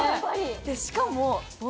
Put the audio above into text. しかも。